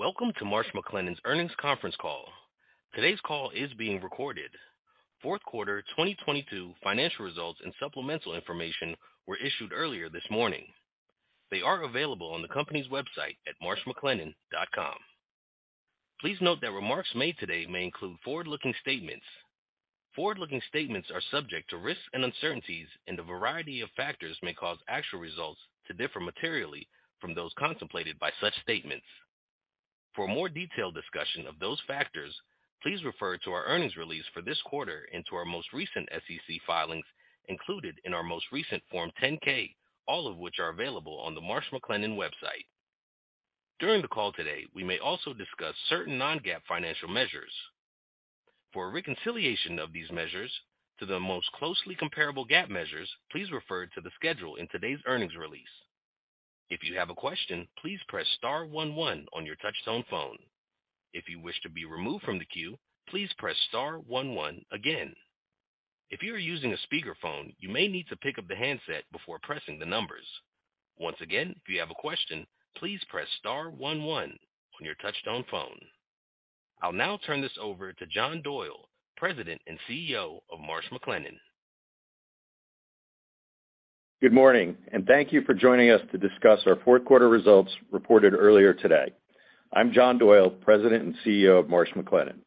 Welcome to Marsh McLennan's Earnings Conference Call. Today's call is being recorded. Fourth quarter 2022 financial results and supplemental information were issued earlier this morning. They are available on the company's website at marshmclennan.com. Please note that remarks made today may include forward-looking statements. Forward-looking statements are subject to risks and uncertainties, and a variety of factors may cause actual results to differ materially from those contemplated by such statements. For a more detailed discussion of those factors, please refer to our earnings release for this quarter and to our most recent SEC filings included in our most recent Form 10-K, all of which are available on the Marsh McLennan website. During the call today, we may also discuss certain non-GAAP financial measures. For a reconciliation of these measures to the most closely comparable GAAP measures, please refer to the schedule in today's earnings release. If you have a question, please press star one one on your touchtone phone. If you wish to be removed from the queue, please press star one one again. If you are using a speakerphone, you may need to pick up the handset before pressing the numbers. Once again, if you have a question, please press star one one on your touchtone phone. I'll now turn this over to John Doyle, President and CEO of Marsh McLennan. Good morning, thank you for joining us to discuss our fourth quarter results reported earlier today. I'm John Doyle, President and CEO of Marsh McLennan.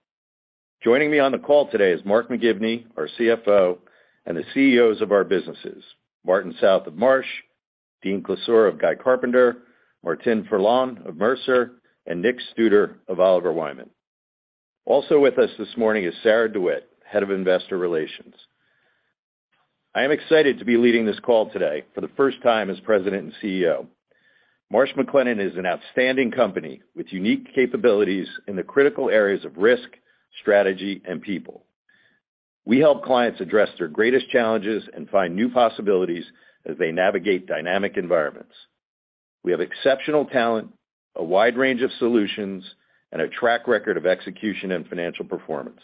Joining me on the call today is Mark McGivney, our CFO, and the CEOs of our businesses, Martin South of Marsh, Dean Klisura of Guy Carpenter, Martine Ferland of Mercer, and Nick Studer of Oliver Wyman. Also with us this morning is Sarah DeWitt, Head of Investor Relations. I am excited to be leading this call today for the first time as president and CEO. Marsh McLennan is an outstanding company with unique capabilities in the critical areas of risk, strategy, and people. We help clients address their greatest challenges and find new possibilities as they navigate dynamic environments. We have exceptional talent, a wide range of solutions, and a track record of execution and financial performance.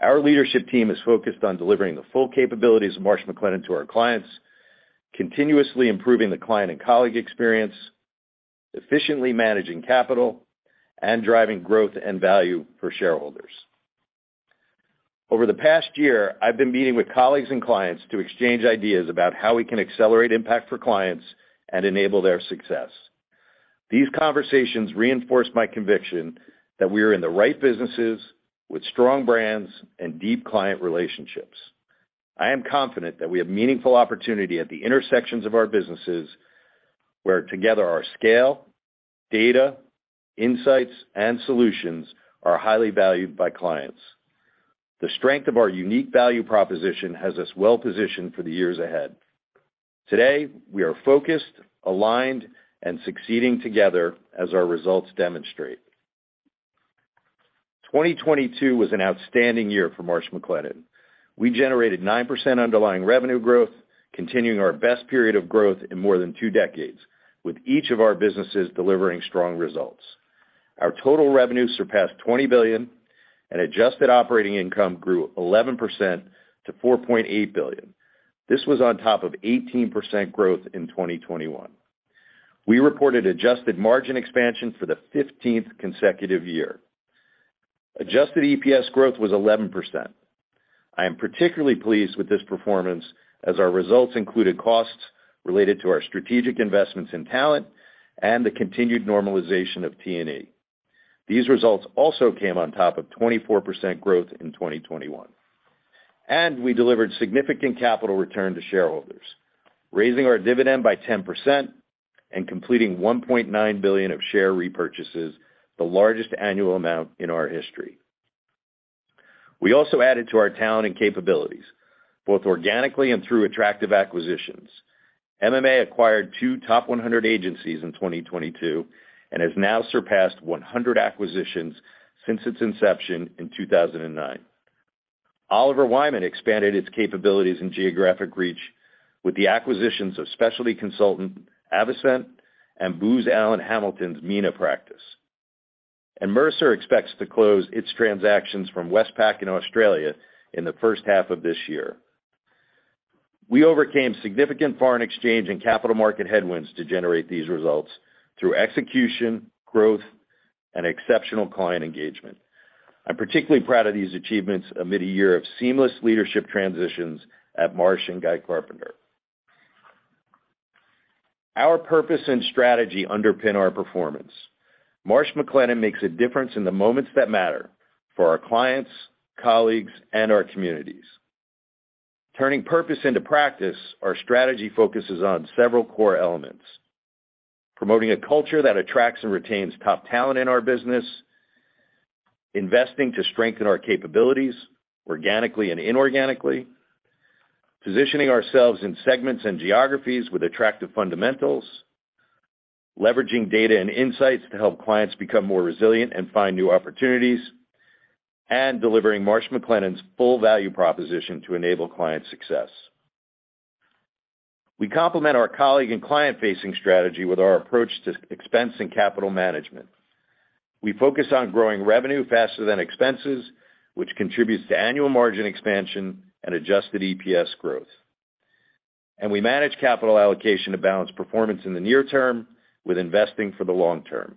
Our leadership team is focused on delivering the full capabilities of Marsh McLennan to our clients, continuously improving the client and colleague experience, efficiently managing capital, and driving growth and value for shareholders. Over the past year, I've been meeting with colleagues and clients to exchange ideas about how we can accelerate impact for clients and enable their success. These conversations reinforce my conviction that we are in the right businesses with strong brands and deep client relationships. I am confident that we have meaningful opportunity at the intersections of our businesses, where together our scale, data, insights, and solutions are highly valued by clients. The strength of our unique value proposition has us well positioned for the years ahead. Today, we are focused, aligned, and succeeding together as our results demonstrate. 2022 was an outstanding year for Marsh McLennan. We generated 9% underlying revenue growth, continuing our best period of growth in more than two decades, with each of our businesses delivering strong results. Our total revenue surpassed $20 billion and adjusted operating income grew 11% to $4.8 billion. This was on top of 18% growth in 2021. We reported adjusted margin expansion for the 15th consecutive year. Adjusted EPS growth was 11%. I am particularly pleased with this performance as our results included costs related to our strategic investments in talent and the continued normalization of T&A. These results also came on top of 24% growth in 2021. We delivered significant capital return to shareholders, raising our dividend by 10% and completing $1.9 billion of share repurchases, the largest annual amount in our history. We also added to our talent and capabilities, both organically and through attractive acquisitions. MMA acquired two top 100 agencies in 2022 and has now surpassed 100 acquisitions since its inception in 2009. Oliver Wyman expanded its capabilities and geographic reach with the acquisitions of specialty consultant Avascent and Booz Allen Hamilton's MENA practice. Mercer expects to close its transactions from Westpac in Australia in the H1 of this year. We overcame significant foreign exchange and capital market headwinds to generate these results through execution, growth, and exceptional client engagement. I'm particularly proud of these achievements amid a year of seamless leadership transitions at Marsh and Guy Carpenter. Our purpose and strategy underpin our performance. Marsh McLennan makes a difference in the moments that matter for our clients, colleagues, and our communities. Turning purpose into practice, our strategy focuses on several core elements, promoting a culture that attracts and retains top talent in our business, investing to strengthen our capabilities organically and inorganically, positioning ourselves in segments and geographies with attractive fundamentals, leveraging data and insights to help clients become more resilient and find new opportunities, and delivering Marsh McLennan's full value proposition to enable client success. We complement our colleague and client-facing strategy with our approach to expense and capital management. We focus on growing revenue faster than expenses, which contributes to annual margin expansion and adjusted EPS growth. We manage capital allocation to balance performance in the near term with investing for the long term.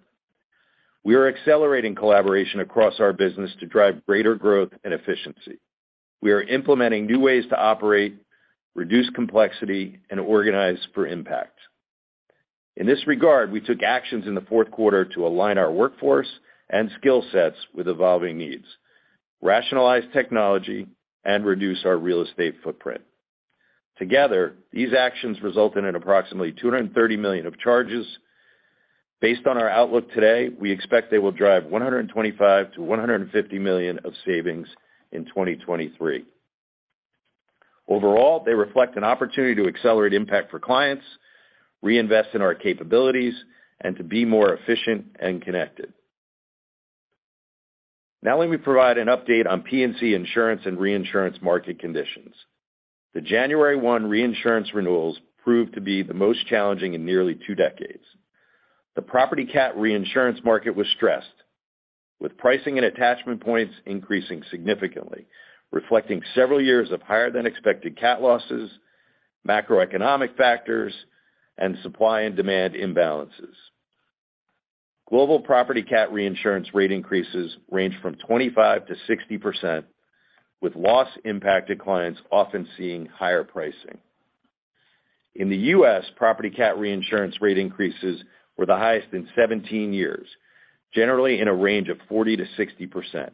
We are accelerating collaboration across our business to drive greater growth and efficiency. We are implementing new ways to operate, reduce complexity, and organize for impact. In this regard, we took actions in the fourth quarter to align our workforce and skill sets with evolving needs, rationalize technology, and reduce our real estate footprint. Together, these actions result in an approximately $230 million of charges. Based on our outlook today, we expect they will drive $125 million-$150 million of savings in 2023. Overall, they reflect an opportunity to accelerate impact for clients, reinvest in our capabilities, and to be more efficient and connected. Let me provide an update on P&C insurance and reinsurance market conditions. The January 1 reinsurance renewals proved to be the most challenging in nearly two decades. The property CAT reinsurance market was stressed, with pricing and attachment points increasing significantly, reflecting several years of higher than expected CAT losses, macroeconomic factors, and supply and demand imbalances. Global property CAT reinsurance rate increases range from 25%-60%, with loss-impacted clients often seeing higher pricing. In the U.S., property CAT reinsurance rate increases were the highest in 17 years, generally in a range of 40%-60%.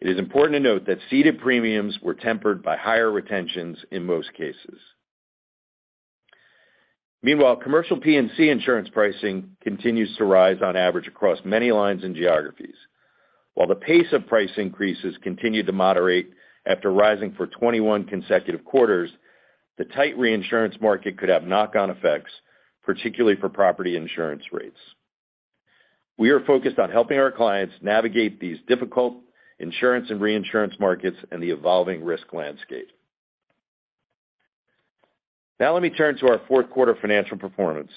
It is important to note that ceded premiums were tempered by higher retentions in most cases. Meanwhile, commercial P&C insurance pricing continues to rise on average across many lines and geographies. While the pace of price increases continued to moderate after rising for 21 consecutive quarters, the tight reinsurance market could have knock-on effects, particularly for property insurance rates. We are focused on helping our clients navigate these difficult insurance and reinsurance markets and the evolving risk landscape. Now let me turn to our fourth quarter financial performance.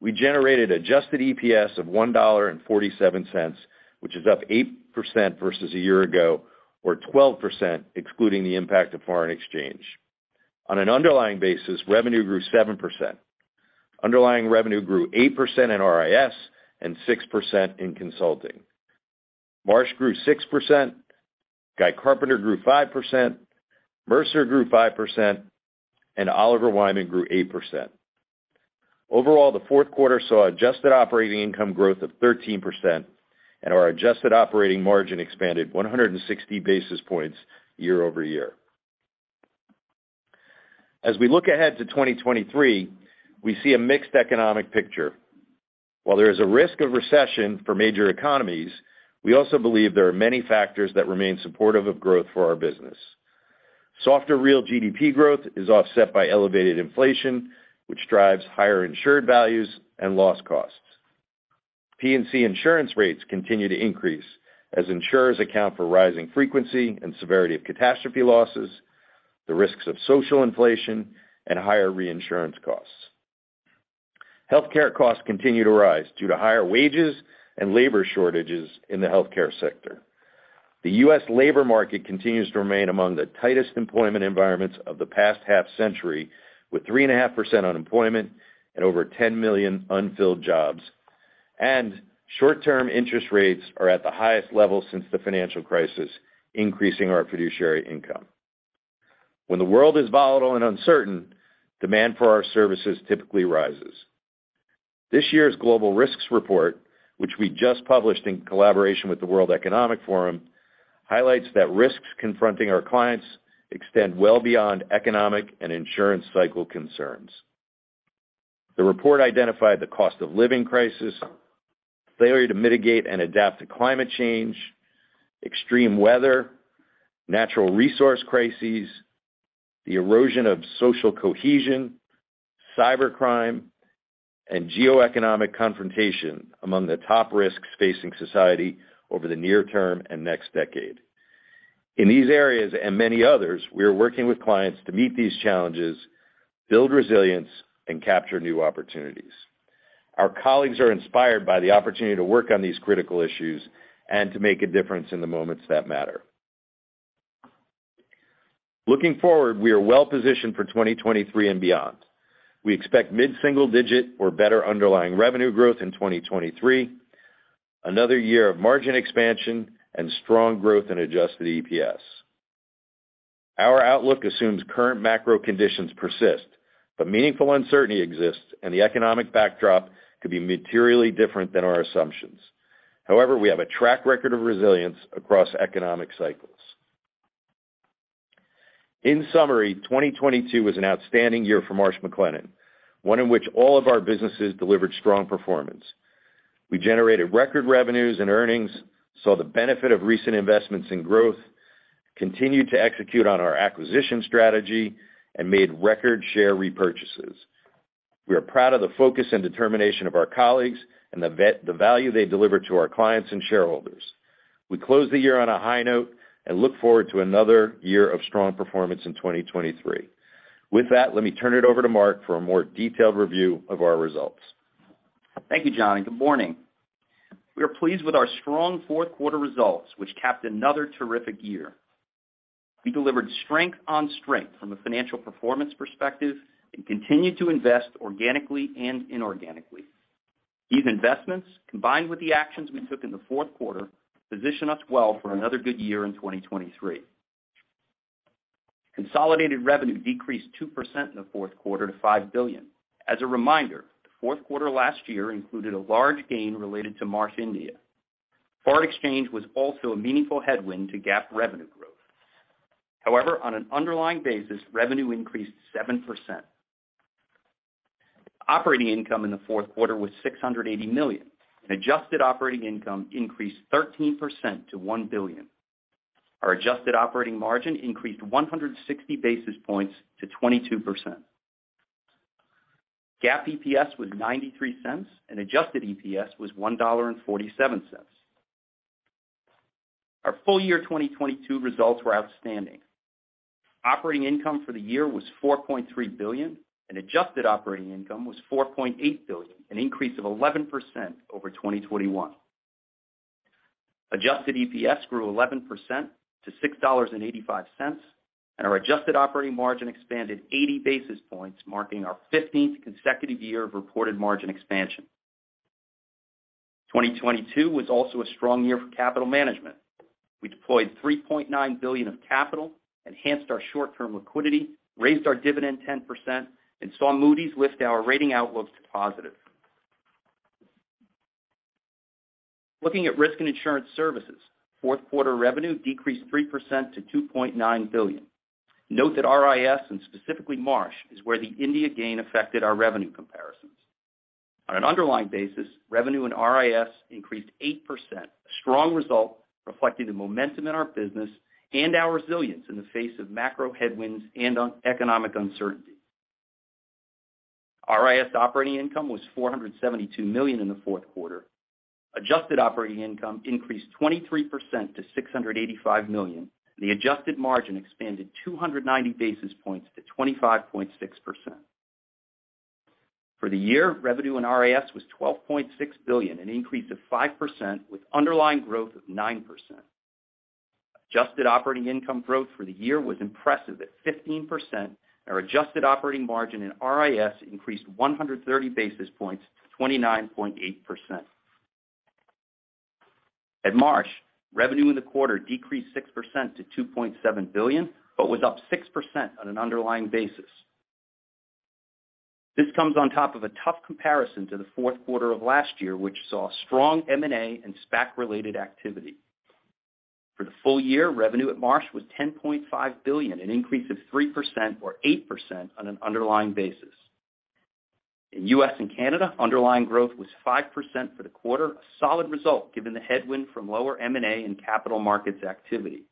We generated Adjusted EPS of $1.47, which is up 8% versus a year ago, or 12% excluding the impact of foreign exchange. On an underlying basis, revenue grew 7%. Underlying revenue grew 8% in RIS and 6% in consulting. Marsh grew 6%, Guy Carpenter grew 5%, Mercer grew 5%, and Oliver Wyman grew 8%. Overall, the fourth quarter saw adjusted operating income growth of 13%, and our adjusted operating margin expanded 160 basis points year-over-year. As we look ahead to 2023, we see a mixed economic picture. While there is a risk of recession for major economies, we also believe there are many factors that remain supportive of growth for our business. Softer real GDP growth is offset by elevated inflation, which drives higher insured values and loss costs. P&C insurance rates continue to increase as insurers account for rising frequency and severity of catastrophe losses, the risks of social inflation, and higher reinsurance costs. Healthcare costs continue to rise due to higher wages and labor shortages in the healthcare sector. The U.S. labor market continues to remain among the tightest employment environments of the past half-century, with 3.5% unemployment and over 10 million unfilled jobs. Short-term interest rates are at the highest level since the financial crisis, increasing our fiduciary income. When the world is volatile and uncertain, demand for our services typically rises. This year's Global Risks Report, which we just published in collaboration with the World Economic Forum, highlights that risks confronting our clients extend well beyond economic and insurance cycle concerns. The report identified the cost of living crisis, failure to mitigate and adapt to climate change, extreme weather, natural resource crises, the erosion of social cohesion, cybercrime, and geoeconomic confrontation among the top risks facing society over the near term and next decade. In these areas and many others, we are working with clients to meet these challenges, build resilience, and capture new opportunities. Our colleagues are inspired by the opportunity to work on these critical issues and to make a difference in the moments that matter. Looking forward, we are well-positioned for 2023 and beyond. We expect mid-single digit or better underlying revenue growth in 2023, another year of margin expansion, and strong growth in adjusted EPS. Our outlook assumes current macro conditions persist, but meaningful uncertainty exists, and the economic backdrop could be materially different than our assumptions. We have a track record of resilience across economic cycles. In summary, 2022 was an outstanding year for Marsh McLennan, one in which all of our businesses delivered strong performance. We generated record revenues and earnings, saw the benefit of recent investments in growth, continued to execute on our acquisition strategy, and made record share repurchases. We are proud of the focus and determination of our colleagues and the value they deliver to our clients and shareholders. We close the year on a high note and look forward to another year of strong performance in 2023. With that, let me turn it over to Mark for a more detailed review of our results. Thank you John. Good morning. We are pleased with our strong fourth quarter results, which capped another terrific year. We delivered strength-on-strength from a financial performance perspective and continued to invest organically and inorganically. These investments, combined with the actions we took in the fourth quarter, position us well for another good year in 2023. Consolidated revenue decreased 2% in the fourth quarter to $5 billion. As a reminder, the fourth quarter last year included a large gain related to Marsh India. Foreign exchange was also a meaningful headwind to GAAP revenue growth. On an underlying basis, revenue increased 7%. Operating income in the fourth quarter was $680 million, and adjusted operating income increased 13% to $1 billion. Our adjusted operating margin increased 160 basis points to 22%. GAAP EPS was $0.93. Adjusted EPS was $1.47. Our full year 2022 results were outstanding. Operating income for the year was $4.3 billion. Adjusted operating income was $4.8 billion, an increase of 11% over 2021. Adjusted EPS grew 11% to $6.85. Our adjusted operating margin expanded 80 basis points, marking our 15th consecutive year of reported margin expansion. 2022 was also a strong year for capital management. We deployed $3.9 billion of capital, enhanced our short-term liquidity, raised our dividend 10%, and saw Moody's lift our rating outlook to positive. Looking at risk and insurance services, fourth quarter revenue decreased 3% to $2.9 billion. Note that RIS, and specifically Marsh, is where the India gain affected our revenue comparisons. On an underlying basis, revenue in RIS increased 8%, a strong result reflecting the momentum in our business and our resilience in the face of macro headwinds and on economic uncertainty. RIS operating income was $472 million in the fourth quarter. Adjusted operating income increased 23% to $685 million. The adjusted margin expanded 290 basis points to 25.6%. For the year, revenue in RIS was $12.6 billion, an increase of 5% with underlying growth of 9%. Adjusted operating income growth for the year was impressive at 15%, and our adjusted operating margin in RIS increased 130 basis points to 29.8%. At Marsh, revenue in the quarter decreased 6% to $2.7 billion, but was up 6% on an underlying basis. This comes on top of a tough comparison to the fourth quarter of last year, which saw strong M&A and SPAC-related activity. For the full year, revenue at Marsh was $10.5 billion, an increase of 3% or 8% on an underlying basis. In U.S. and Canada, underlying growth was 5% for the quarter, a solid result given the headwind from lower M&A and capital markets activity.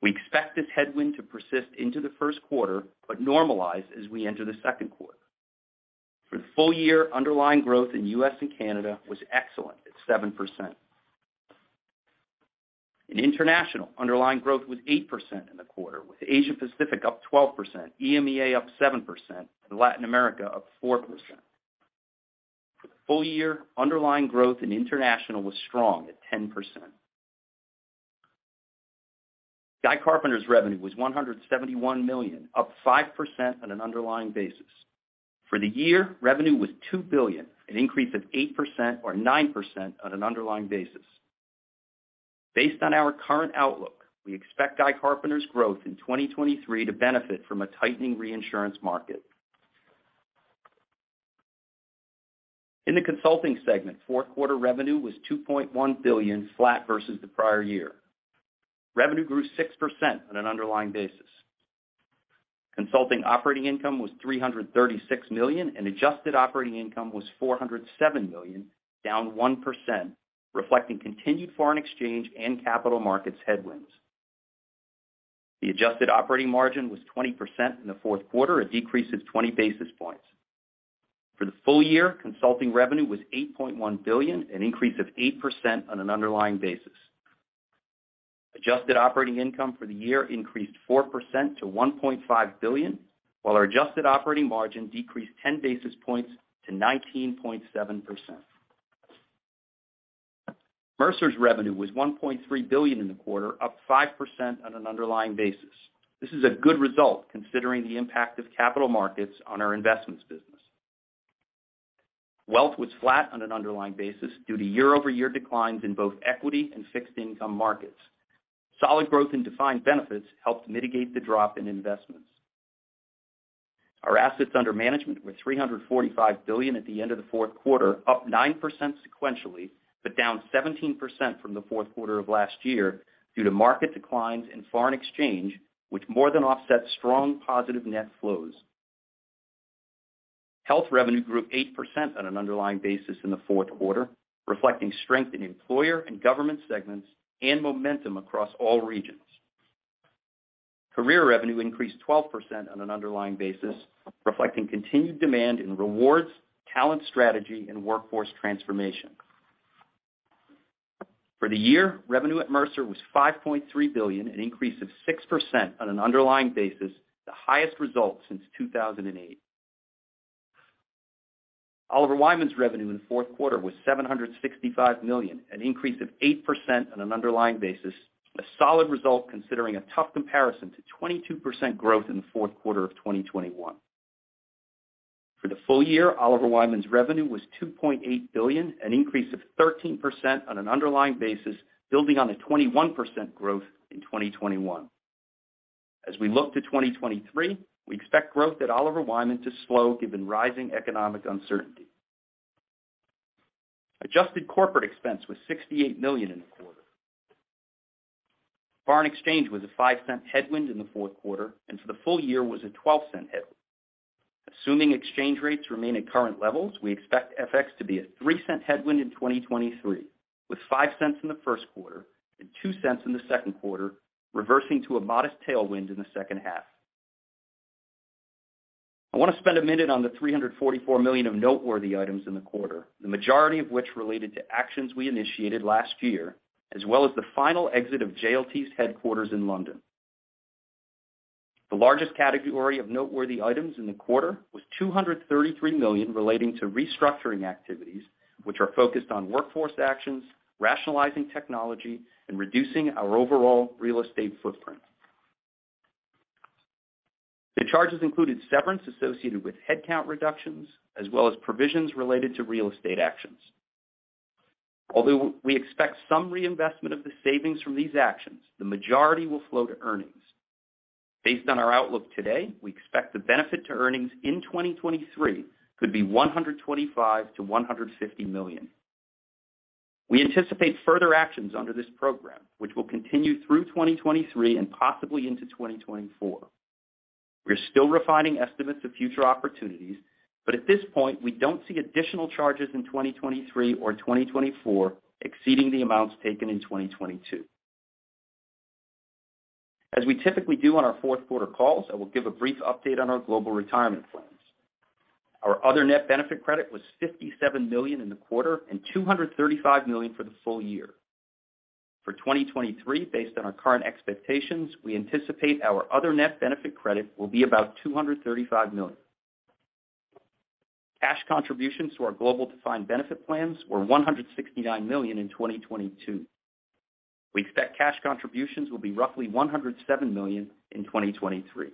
We expect this headwind to persist into the first quarter, but normalize as we enter the second quarter. For the full year, underlying growth in U.S. and Canada was excellent at 7%. In international, underlying growth was 8% in the quarter, with Asia Pacific up 12%, EMEA up 7%, and Latin America up 4%. For the full year, underlying growth in international was strong at 10%. Guy Carpenter's revenue was $171 million, up 5% on an underlying basis. For the year, revenue was $2 billion, an increase of 8% or 9% on an underlying basis. Based on our current outlook, we expect Guy Carpenter's growth in 2023 to benefit from a tightening reinsurance market. In the consulting segment, fourth quarter revenue was $2.1 billion flat versus the prior year. Revenue grew 6% on an underlying basis. Consulting operating income was $336 million, and adjusted operating income was $407 million, down 1%, reflecting continued foreign exchange and capital markets headwinds. The adjusted operating margin was 20% in the fourth quarter, a decrease of 20 basis points. For the full year, consulting revenue was $8.1 billion, an increase of 8% on an underlying basis. Adjusted operating income for the year increased 4% to $1.5 billion, while our adjusted operating margin decreased 10 basis points to 19.7%. Mercer's revenue was $1.3 billion in the quarter, up 5% on an underlying basis. This is a good result considering the impact of capital markets on our investments business. Wealth was flat on an underlying basis due to year-over-year declines in both equity and fixed income markets. Solid growth in defined benefits helped mitigate the drop in investments. Our assets under management were $345 billion at the end of the fourth quarter, up 9% sequentially, but down 17% from the fourth quarter of last year due to market declines in foreign exchange, which more than offset strong positive net flows. Health revenue grew 8% on an underlying basis in the fourth quarter, reflecting strength in employer and government segments and momentum across all regions. Career revenue increased 12% on an underlying basis, reflecting continued demand in rewards, talent strategy, and workforce transformation. For the year, revenue at Mercer was $5.3 billion, an increase of 6% on an underlying basis, the highest result since 2008. Oliver Wyman's revenue in the fourth quarter was $765 million, an increase of 8% on an underlying basis, a solid result considering a tough comparison to 22% growth in the fourth quarter of 2021. For the full year, Oliver Wyman's revenue was $2.8 billion, an increase of 13% on an underlying basis, building on a 21% growth in 2021. As we look to 2023, we expect growth at Oliver Wyman to slow given rising economic uncertainty. Adjusted corporate expense was $68 million in the quarter. Foreign exchange was a $0.05 headwind in the fourth quarter, and for the full year was a $0.12 headwind. Assuming exchange rates remain at current levels, we expect FX to be a $0.03 headwind in 2023, with $0.05 in the first quarter and $0.02 in the second quarter, reversing to a modest tailwind in the H2. I want to spend a minute on the $344 million of noteworthy items in the quarter, the majority of which related to actions we initiated last year, as well as the final exit of JLT's headquarters in London. The largest category of noteworthy items in the quarter was $233 million relating to restructuring activities, which are focused on workforce actions, rationalizing technology, and reducing our overall real estate footprint. The charges included severance associated with headcount reductions, as well as provisions related to real estate actions. Although we expect some reinvestment of the savings from these actions, the majority will flow to earnings. Based on our outlook today, we expect the benefit to earnings in 2023 could be $125 million-$150 million. We anticipate further actions under this program, which will continue through 2023 and possibly into 2024. We're still refining estimates of future opportunities, but at this point, we don't see additional charges in 2023 or 2024 exceeding the amounts taken in 2022. As we typically do on our fourth quarter calls, I will give a brief update on our global retirement plans. Our other net benefit credit was $57 million in the quarter and $235 million for the full year. For 2023, based on our current expectations, we anticipate our other net benefit credit will be about $235 million. Cash contributions to our global defined benefit plans were $169 million in 2022. We expect cash contributions will be roughly $107 million in 2023.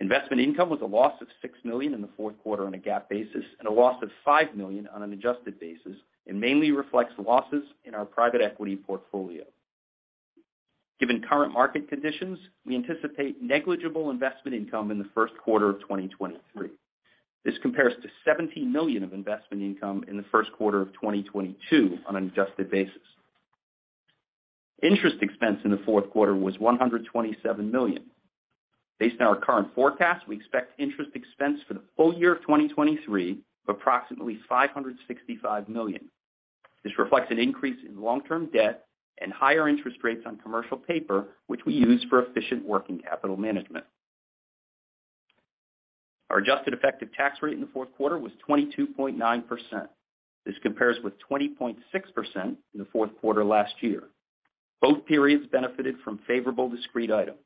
Investment income was a loss of $6 million in the fourth quarter on a GAAP basis, and a loss of $5 million on an adjusted basis, and mainly reflects losses in our private equity portfolio. Given current market conditions, we anticipate negligible investment income in the first quarter of 2023. This compares to $17 million of investment income in the first quarter of 2022 on an adjusted basis. Interest expense in the fourth quarter was $127 million. Based on our current forecast, we expect interest expense for the full year of 2023 of approximately $565 million. This reflects an increase in long-term debt and higher interest rates on commercial paper, which we use for efficient working capital management. Our adjusted effective tax rate in the fourth quarter was 22.9%. This compares with 20.6% in the fourth quarter last year. Both periods benefited from favorable discrete items.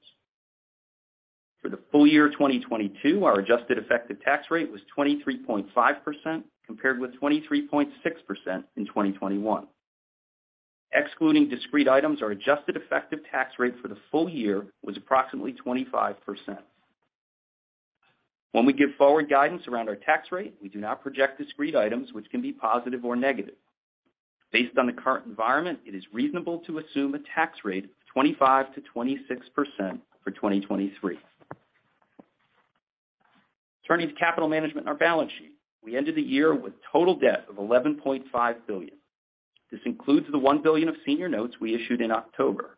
For the full year 2022, our adjusted effective tax rate was 23.5%, compared with 23.6% in 2021. Excluding discrete items, our adjusted effective tax rate for the full year was approximately 25%. When we give forward guidance around our tax rate, we do not project discrete items which can be positive or negative. Based on the current environment, it is reasonable to assume a tax rate of 25%-26% for 2023. Turning to capital management and our balance sheet. We ended the year with total debt of $11.5 billion. This includes the $1 billion of senior notes we issued in October.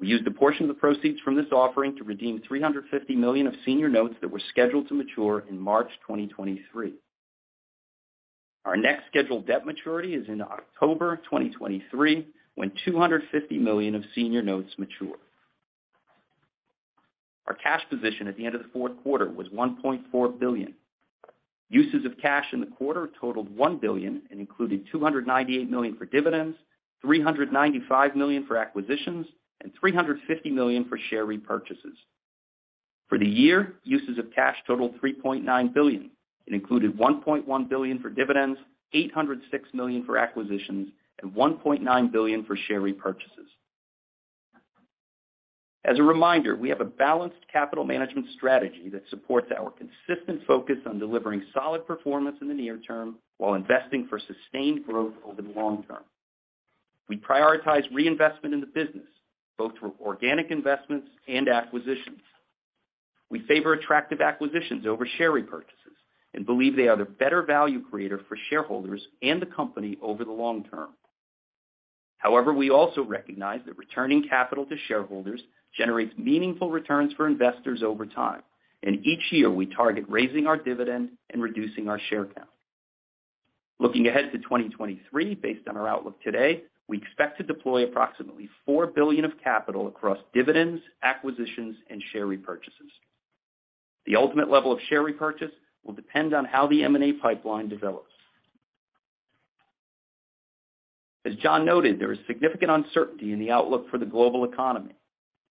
We used a portion of the proceeds from this offering to redeem $350 million of senior notes that were scheduled to mature in March 2023. Our next scheduled debt maturity is in October 2023, when $250 million of senior notes mature. Our cash position at the end of the fourth quarter was $1.4 billion. Uses of cash in the quarter totaled $1 billion and included $298 million for dividends, $395 million for acquisitions, and $350 million for share repurchases. For the year, uses of cash totaled $3.9 billion. It included $1.1 billion for dividends, $806 million for acquisitions, and $1.9 billion for share repurchases. As a reminder, we have a balanced capital management strategy that supports our consistent focus on delivering solid performance in the near term while investing for sustained growth over the long term. We prioritize reinvestment in the business, both through organic investments and acquisitions. We favor attractive acquisitions over share repurchases and believe they are the better value creator for shareholders and the company over the long term. However, we also recognize that returning capital to shareholders generates meaningful returns for investors over time, and each year, we target raising our dividend and reducing our share count. Looking ahead to 2023, based on our outlook today, we expect to deploy approximately $4 billion of capital across dividends, acquisitions, and share repurchases. The ultimate level of share repurchase will depend on how the M&A pipeline develops. As John noted, there is significant uncertainty in the outlook for the global economy.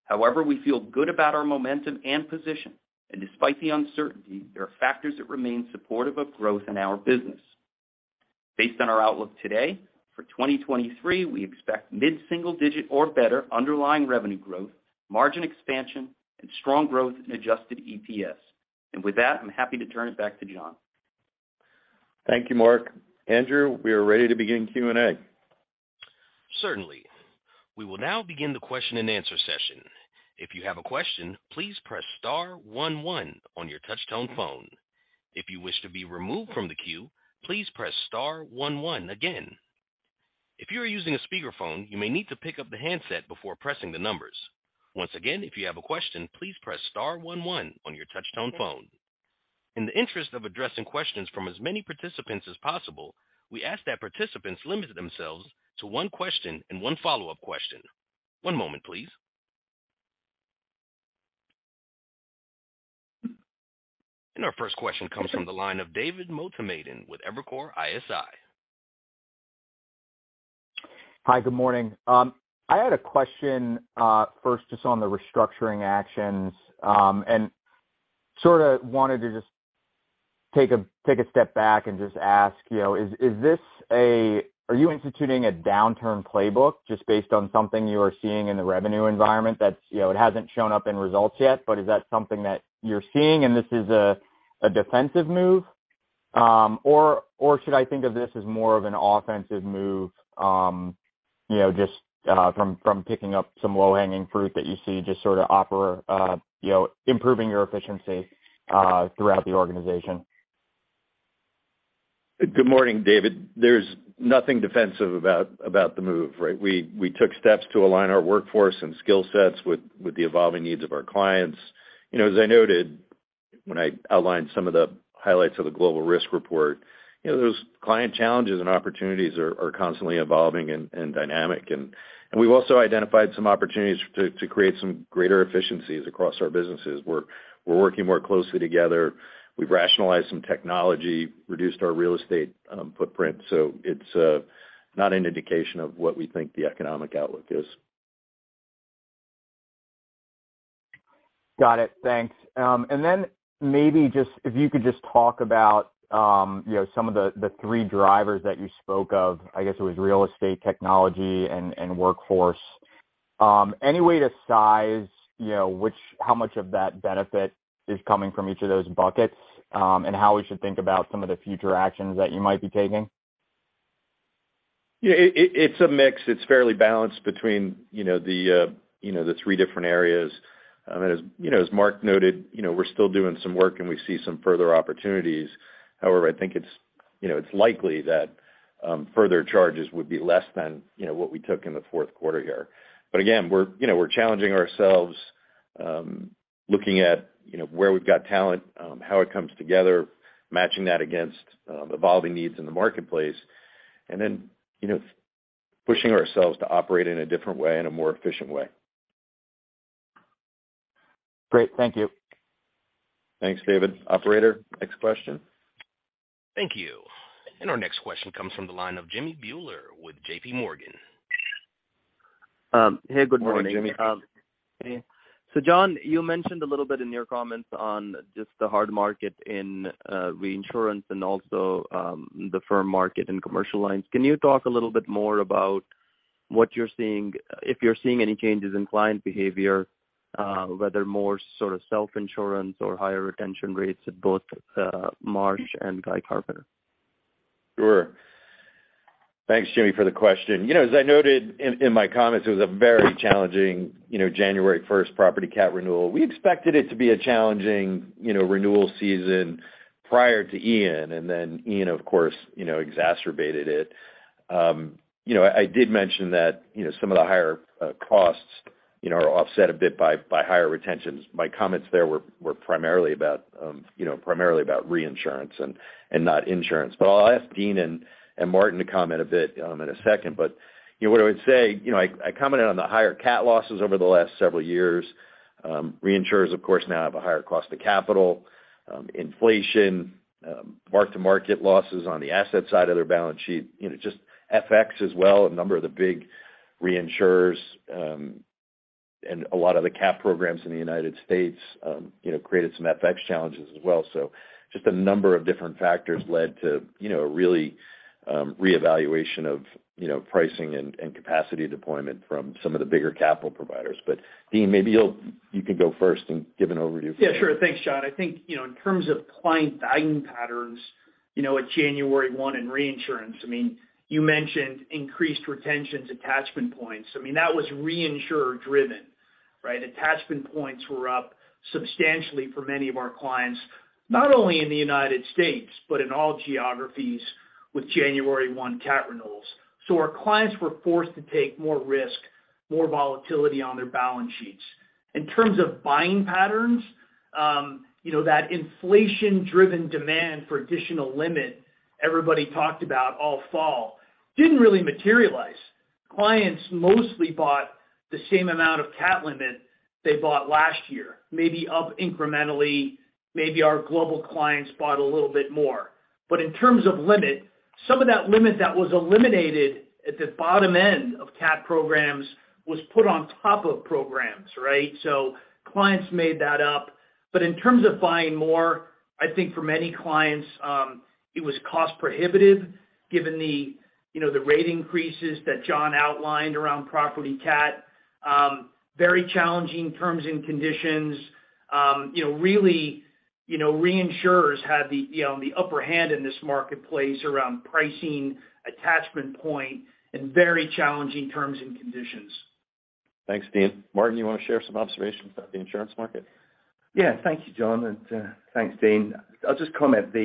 However, we feel good about our momentum and position, and despite the uncertainty, there are factors that remain supportive of growth in our business. Based on our outlook today, for 2023, we expect mid-single digit or better underlying revenue growth, margin expansion and strong growth in Adjusted EPS. With that, I'm happy to turn it back to John. Thank you, Mark. Andrew, we are ready to begin Q&A. Certainly. We will now begin the question and answer session. If you have a question, please press star one one on your touch-tone phone. If you wish to be removed from the queue, please press star one one again. If you are using a speakerphone, you may need to pick up the handset before pressing the numbers. Once again, if you have a question, please press star one one on your touch-tone phone. In the interest of addressing questions from as many participants as possible, we ask that participants limit themselves to one question and one follow-up question. One moment please. Our first question comes from the line of David Motemaden with Evercore ISI. Hi, good morning. I had a question, first just on the restructuring actions, and sorta wanted to just take a, take a step back and just ask, you know, Are you instituting a downturn playbook just based on something you are seeing in the revenue environment that's, you know, it hasn't shown up in results yet, but is that something that you're seeing and this is a defensive move? Or should I think of this as more of an offensive move, you know, just, from picking up some low-hanging fruit that you see just sort of offer, you know, improving your efficiency, throughout the organization? Good morning David. There's nothing defensive about the move, right? We took steps to align our workforce and skill sets with the evolving needs of our clients. You know, as I noted when I outlined some of the highlights of the Global Risks Report, you know, those client challenges and opportunities are constantly evolving and dynamic. We've also identified some opportunities to create some greater efficiencies across our businesses. We're working more closely together. We've rationalized some technology, reduced our real estate footprint. It's not an indication of what we think the economic outlook is. Got it. Thanks. Maybe just if you could just talk about, you know, some of the three drivers that you spoke of, I guess it was real estate, technology and workforce, any way to size, you know, how much of that benefit is coming from each of those buckets, and how we should think about some of the future actions that you might be taking? Yeah, it's a mix. It's fairly balanced between, you know, the, you know, the three different areas. I mean, as, you know, as Mark noted, you know, we're still doing some work and we see some further opportunities. However, I think it's, you know, it's likely that further charges would be less than, you know, what we took in the fourth quarter here. Again, we're, you know, we're challenging ourselves, looking at, you know, where we've got talent, how it comes together, matching that against evolving needs in the marketplace, then, you know, pushing ourselves to operate in a different way, in a more efficient way. Great. Thank you. Thanks David. Operator, next question. Thank you. Our next question comes from the line of Jimmy Bhullar with JPMorgan. Hey, good morning. Morning, Jimmy. John, you mentioned a little bit in your comments on just the hard market in reinsurance and also, the firm market and commercial lines. Can you talk a little bit more about what you're seeing, if you're seeing any changes in client behavior, whether more sort of self-insurance or higher retention rates at both, Marsh and Guy Carpenter? Sure. Thanks Jimmy for the question. You know, as I noted in my comments, it was a very challenging, you know, January 1st property CAT renewal. We expected it to be a challenging, you know, renewal season prior to Ian, and then Ian, of course, you know, exacerbated it. You know, I did mention that, you know, some of the higher costs, you know, are offset a bit by higher retentions. My comments there were primarily about, you know, primarily about reinsurance and not insurance. I'll ask Dean and Martin to comment a bit in a second, but, you know, what I would say, you know, I commented on the higher CAT losses over the last several years. Reinsurers, of course, now have a higher cost of capital, inflation, mark-to-market losses on the asset side of their balance sheet, you know, just FX as well. A number of the big reinsurers, and a lot of the cap programs in the United States, you know, created some FX challenges as well. Just a number of different factors led to, you know, a really, reevaluation of, you know, pricing and capacity deployment from some of the bigger capital providers. Dean, maybe you can go first and give an overview. Yeah, sure. Thanks John. I think, you know, in terms of client buying patterns, you know, at January 1 in reinsurance, I mean, you mentioned increased retentions attachment points. I mean, that was reinsurer driven, right? Attachment points were up substantially for many of our clients, not only in the United States, but in all geographies with January 1 CAT renewals. Our clients were forced to take more risk, more volatility on their balance sheets. In terms of buying patterns, you know, that inflation-driven demand for additional limit everybody talked about all fall didn't really materialize. Clients mostly bought the same amount of CAT limit they bought last year, maybe up incrementally. Maybe our global clients bought a little bit more. In terms of limit, some of that limit that was eliminated at the bottom end of CAT programs was put on top of programs, right? Clients made that up. In terms of buying more, I think for many clients, it was cost prohibitive given the, you know, the rate increases that John outlined around property CAT. Very challenging terms and conditions. You know, really, you know, reinsurers had the, you know, the upper hand in this marketplace around pricing, attachment point, and very challenging terms and conditions. Thanks Dean. Martin, you want to share some observations about the insurance market? Thank you John, thanks, Dean. I'll just comment. The,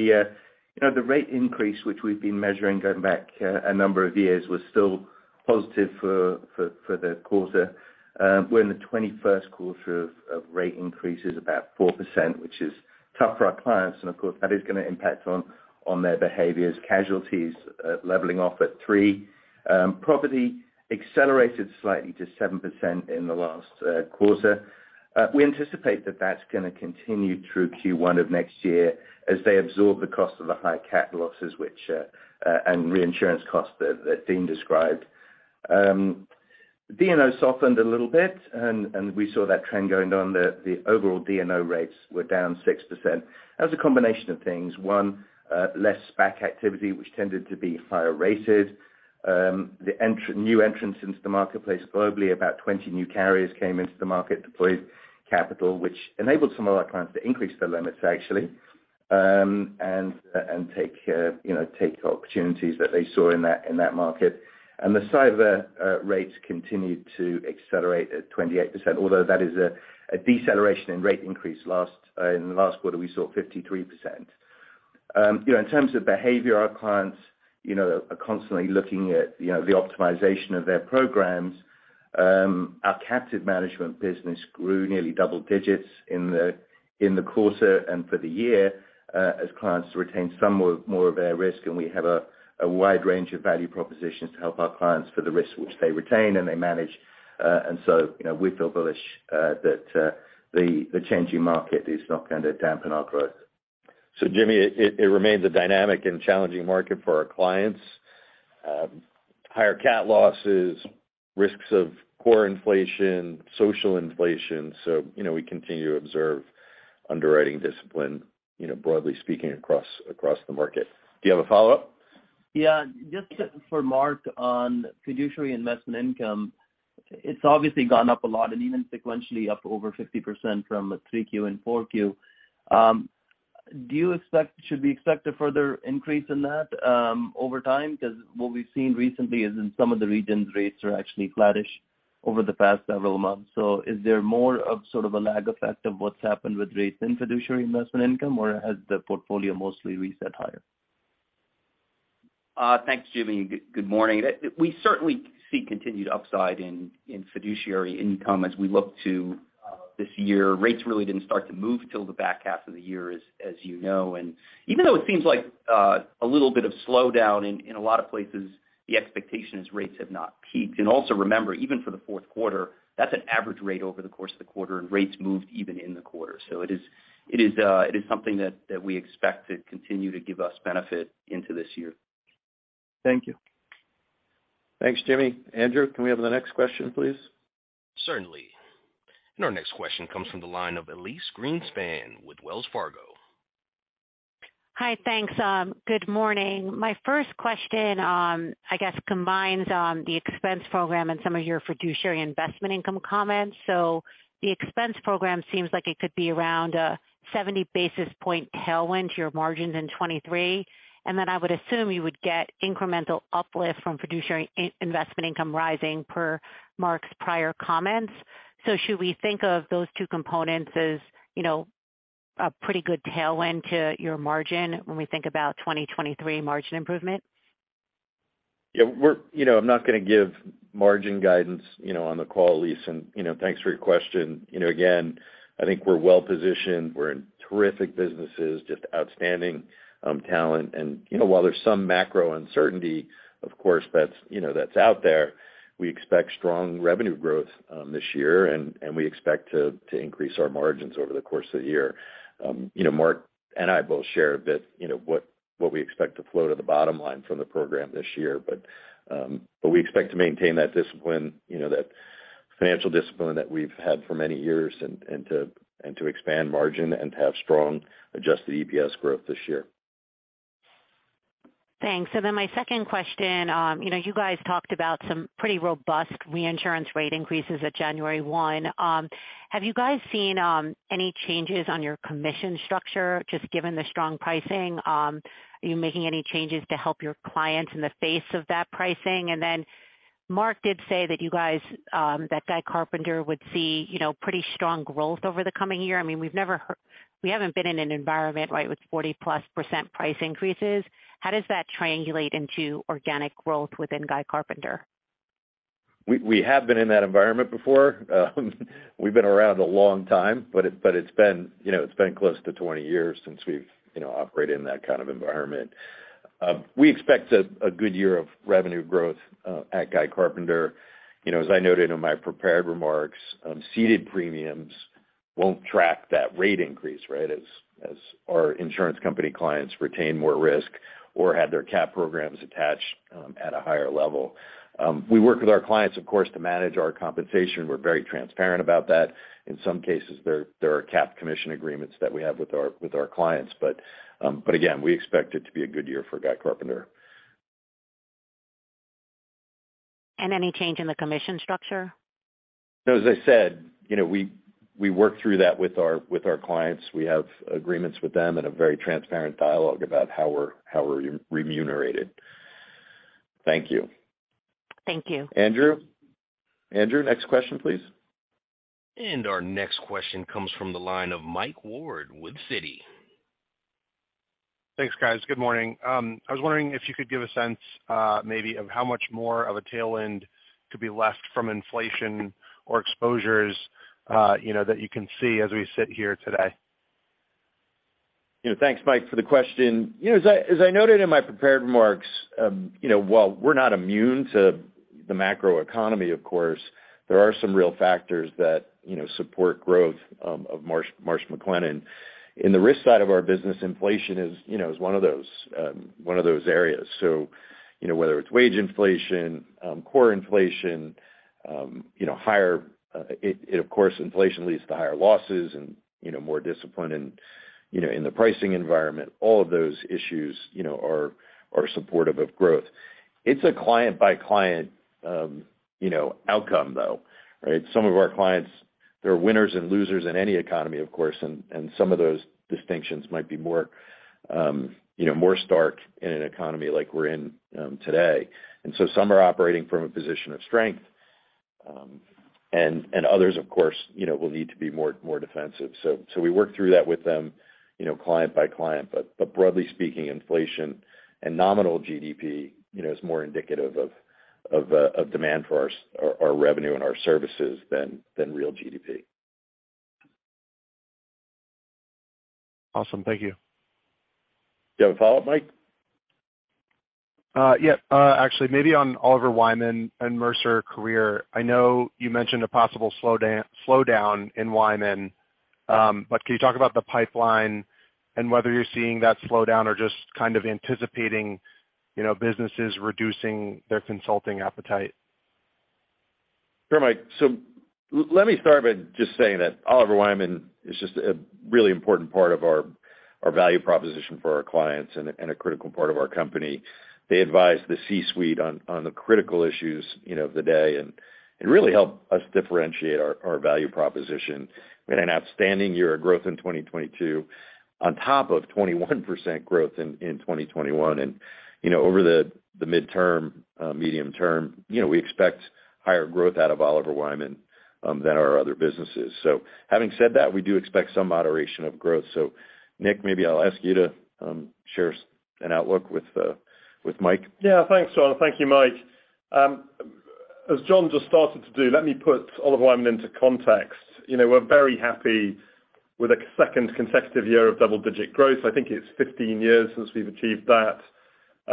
you know, the rate increase, which we've been measuring going back a number of years, was still positive for the quarter. We're in the 21st quarter of rate increases, about 4%, which is tough for our clients, and of course, that is going to impact on their behaviors. Casualties leveling off at three. Property accelerated slightly to 7% in the last quarter. We anticipate that that's gonna continue through Q1 of next year as they absorb the cost of the high CAT losses which and reinsurance costs that Dean described. D&O softened a little bit, and we saw that trend going on. The, the overall D&O rates were down 6%. That was a combination of things. One, less SPAC activity, which tended to be higher rated. The new entrants into the marketplace globally, about 20 new carriers came into the market, deployed capital, which enabled some of our clients to increase their limits actually, and take, you know, take opportunities that they saw in that, in that market. The cyber rates continued to accelerate at 28%, although that is a deceleration in rate increase. Last in the last quarter, we saw 53%. You know, in terms of behavior, our clients, you know, are constantly looking at, you know, the optimization of their programs. Our captive management business grew nearly double digits in the quarter and for the year, as clients retained some more of their risk, and we have a wide range of value propositions to help our clients for the risk which they retain, and they manage. You know, we feel bullish, that, the changing market is not gonna dampen our growth. Jimmy, it remains a dynamic and challenging market for our clients. Higher CAT losses, risks of core inflation, social inflation. You know, we continue to observe underwriting discipline, you know, broadly speaking across the market. Do you have a follow-up? Yeah. Just for Mark on fiduciary investment income, it's obviously gone up a lot and even sequentially up over 50% from 3Q and 4Q. Should we expect a further increase in that over time? What we've seen recently is in some of the regions, rates are actually flattish over the past several months. Is there more of sort of a lag effect of what's happened with rates in fiduciary investment income, or has the portfolio mostly reset higher? Thanks Jimmy. Good morning. We certainly see continued upside in fiduciary income as we look to this year. Rates really didn't start to move till the back half of the year, as you know. Even though it seems like a little bit of slowdown in a lot of places, the expectation is rates have not peaked. Also remember, even for the fourth quarter, that's an average rate over the course of the quarter, and rates moved even in the quarter. It is something that we expect to continue to give us benefit into this year. Thank you. Thanks Jimmy. Andrew, can we have the next question, please? Certainly. Our next question comes from the line of Elyse Greenspan with Wells Fargo. Hi. Thanks. Good morning. My first question, I guess combines the expense program and some of your fiduciary in-investment income comments. The expense program seems like it could be around a 70 basis point tailwind to your margins in 2023, and then I would assume you would get incremental uplift from fiduciary in-investment income rising per Mark's prior comments. Should we think of those two components as, you know, a pretty good tailwind to your margin when we think about 2023 margin improvement? Yeah. You know, I'm not gonna give margin guidance, you know, on the call, Elyse, and, you know, thanks for your question. You know, again, I think we're well positioned. We're in terrific businesses, just outstanding talent. You know, while there's some macro uncertainty, of course, that's, you know, that's out there, we expect strong revenue growth this year, and we expect to increase our margins over the course of the year. You know, Mark and I both shared that, you know, what we expect to flow to the bottom line from the program this year, but we expect to maintain that discipline, you know, that financial discipline that we've had for many years and to expand margin and to have strong adjusted EPS growth this year. Thanks. My second question, you know, you guys talked about some pretty robust reinsurance rate increases at January 1. Have you guys seen any changes on your commission structure, just given the strong pricing? Are you making any changes to help your clients in the face of that pricing? Mark did say that you guys, that Guy Carpenter would see, you know, pretty strong growth over the coming year. I mean, we haven't been in an environment, right, with 40%+ price increases. How does that triangulate into organic growth within Guy Carpenter? We have been in that environment before. We've been around a long time, but it's been, you know, it's been close to 20 years since we've, you know, operated in that kind of environment. We expect a good year of revenue growth at Guy Carpenter. You know, as I noted in my prepared remarks, ceded premiums won't track that rate increase, right? As our insurance company clients retain more risk or have their cap programs attached at a higher level. We work with our clients, of course, to manage our compensation. We're very transparent about that. In some cases, there are capped commission agreements that we have with our clients. Again, we expect it to be a good year for Guy Carpenter. Any change in the commission structure? As I said, you know, we work through that with our clients. We have agreements with them and a very transparent dialogue about how we're remunerated. Thank you. Thank you. Andrew? Andrew, next question, please. Our next question comes from the line of Mike Ward, Citi. Thanks guys. Good morning. I was wondering if you could give a sense, maybe of how much more of a tail end could be left from inflation or exposures, you know, that you can see as we sit here today. You know, thanks, Mike, for the question. You know, as I noted in my prepared remarks, you know, while we're not immune to the macroeconomy, of course, there are some real factors that, you know, support growth of Marsh McLennan. In the risk side of our business, inflation is, you know, is one of those, one of those areas. You know, whether it's wage inflation, core inflation, you know, higher. It of course, inflation leads to higher losses and, you know, more discipline in, you know, in the pricing environment. All of those issues, you know, are supportive of growth. It's a client by client, you know, outcome, though, right? Some of our clients, there are winners and losers in any economy, of course, and some of those distinctions might be more, you know, more stark in an economy like we're in today. Some are operating from a position of strength, and others of course, you know, will need to be more defensive. We work through that with them, you know, client by client. Broadly speaking, inflation and nominal GDP, you know, is more indicative of demand for our revenue and our services than real GDP. Awesome. Thank you. Do you have a follow-up, Mike? Actually maybe on Oliver Wyman and Mercer career. I know you mentioned a possible slowdown in Wyman, but can you talk about the pipeline and whether you're seeing that slowdown or just kind of anticipating, you know, businesses reducing their consulting appetite? Sure Mike. Let me start by just saying that Oliver Wyman is just a really important part of our value proposition for our clients and a, and a critical part of our company. They advise the C-suite on the critical issues, you know, of the day, and it really help us differentiate our value proposition. We had an outstanding year of growth in 2022 on top of 21% growth in 2021. You know, over the midterm, medium term, you know, we expect higher growth out of Oliver Wyman than our other businesses. Having said that, we do expect some moderation of growth. Nick, maybe I'll ask you to share an outlook with Mike. Yeah, thanks John. Thank you Mike. As John just started to do, let me put Oliver Wyman into context. You know, we're very happy with a second consecutive year of double-digit growth. I think it's 15 years since we've achieved that.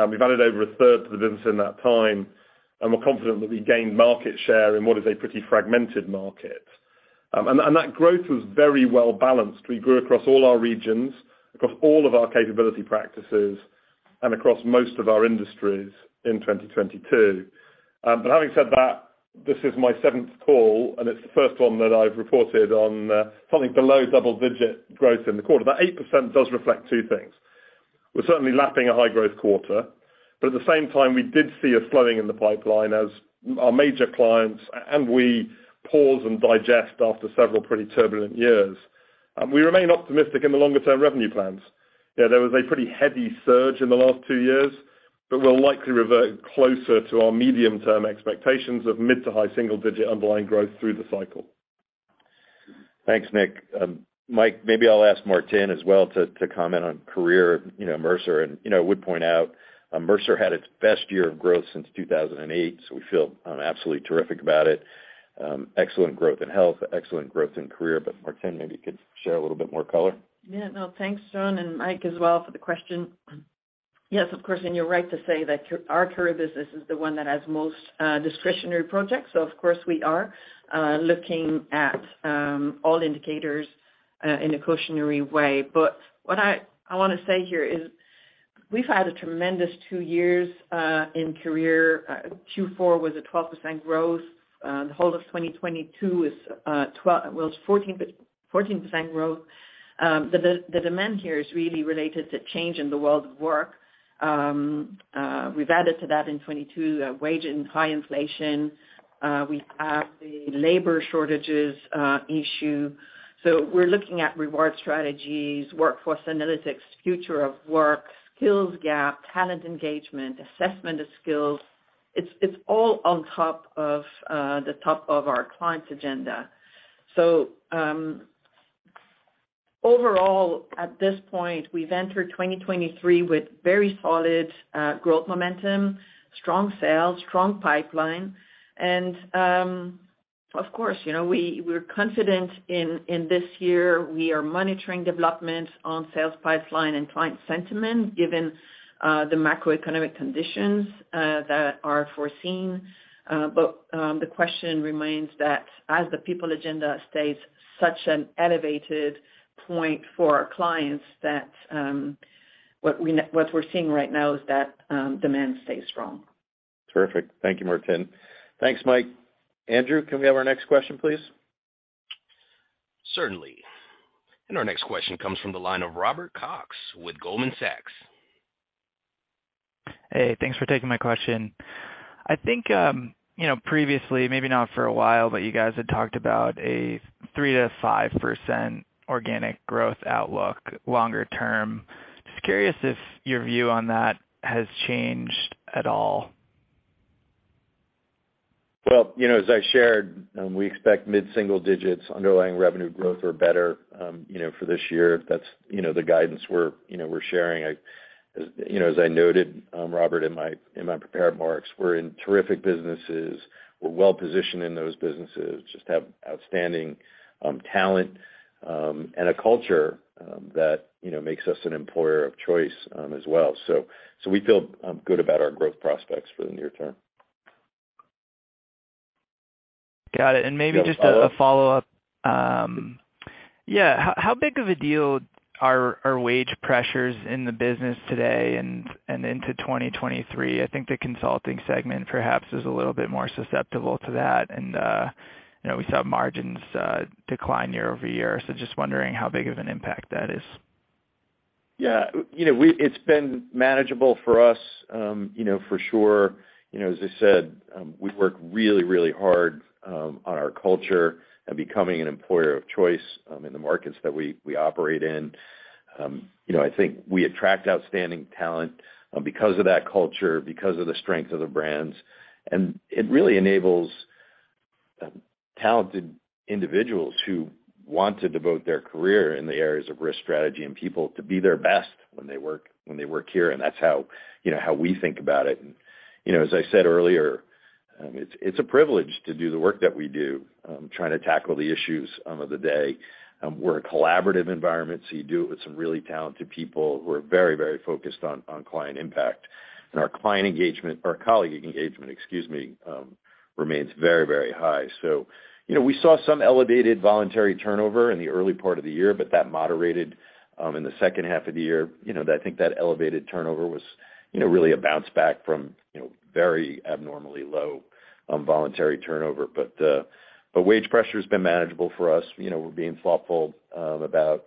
We've added over a third to the business in that time, and we're confident that we gained market share in what is a pretty fragmented market. That growth was very well balanced. We grew across all our regions, across all of our capability practices, and across most of our industries in 2022. Having said that, this is my seventh call, and it's the first one that I've reported on something below double-digit growth in the quarter. That 8% does reflect two things. We're certainly lapping a high-growth quarter, but at the same time, we did see a slowing in the pipeline as our major clients and we pause and digest after several pretty turbulent years. We remain optimistic in the longer-term revenue plans. Yeah, there was a pretty heavy surge in the last two years, but we'll likely revert closer to our medium-term expectations of mid to high single-digit underlying growth through the cycle. Thanks, Nick. Mike, maybe I'll ask Martine as well to comment on career, you know, Mercer. You know, I would point out, Mercer had its best year of growth since 2008, so we feel absolutely terrific about it. Excellent growth in health, excellent growth in career, but Martine maybe could share a little bit more color. Yeah, no, thanks, John and Mike as well for the question. Yes, of course, you're right to say that our career business is the one that has most discretionary projects. Of course, we are looking at all indicators in a cautionary way. What I wanna say here is we've had a tremendous two years in career. Q4 was a 12% growth. The whole of 2022 is, well, it's 14% growth. The demand here is really related to change in the world of work. We've added to that in 2022 wage and high inflation. We have the labor shortages issue. We're looking at reward strategies, workforce analytics, future of work, skills gap, talent engagement, assessment of skills. It's all on top of the top of our clients' agenda. Overall, at this point, we've entered 2023 with very solid growth momentum, strong sales, strong pipeline. Of course, you know, we're confident in this year, we are monitoring development on sales pipeline and client sentiment given the macroeconomic conditions that are foreseen. The question remains that as the people agenda stays such an elevated point for our clients, that, what we're seeing right now is that, demand stays strong. Terrific. Thank you, Martine. Thanks, Mike. Andrew, can we have our next question, please? Certainly. Our next question comes from the line of Robert Cox with Goldman Sachs. Hey, thanks for taking my question. I think, you know, previously, maybe not for a while, but you guys had talked about a 3%-5% organic growth outlook longer term. Just curious if your view on that has changed at all. Well, you know, as I shared, we expect mid-single digits underlying revenue growth or better, you know, for this year. That's, you know, the guidance we're, you know, we're sharing. I, as, you know, as I noted, Robert, in my, in my prepared remarks, we're in terrific businesses. We're well positioned in those businesses, just have outstanding talent, and a culture, that, you know, makes us an employer of choice, as well. We feel good about our growth prospects for the near term. Got it. Maybe just a follow-up. How big of a deal are our wage pressures in the business today and into 2023? I think the consulting segment perhaps is a little bit more susceptible to that. You know, we saw margins decline year-over-year. Just wondering how big of an impact that is. Yeah, you know, It's been manageable for us, you know, for sure. As I said, we work really, really hard, on our culture and becoming an employer of choice, in the markets that we operate in. I think we attract outstanding talent, because of that culture, because of the strength of the brands. It really enables talented individuals who want to devote their career in the areas of risk strategy and people to be their best when they work here. That's how, you know, how we think about it. As I said earlier, it's a privilege to do the work that we do, trying to tackle the issues, of the day. We're a collaborative environment, you do it with some really talented people who are very, very focused on client impact. Our colleague engagement, excuse me, remains very, very high. You know, we saw some elevated voluntary turnover in the early part of the year, but that moderated in the H2 of the year. You know, I think that elevated turnover was, you know, really a bounce back from, you know, very abnormally low, voluntary turnover. Wage pressure's been manageable for us. You know, we're being thoughtful about